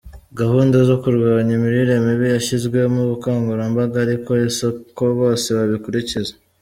Gahunda zo kurwanya imirire mibi yashyizwemo ubukangurambaga, ari ko si ko bose babikurikiza.